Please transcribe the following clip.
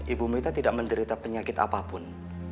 ibu mita tidak menderita penyakit apapun